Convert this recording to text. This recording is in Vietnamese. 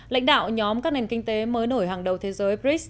lãnh đạo nhóm các nền kinh tế mới nổi hàng đầu thế giới brics